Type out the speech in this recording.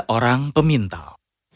tiga orang pemintal